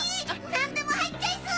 何でも入っちゃいそう！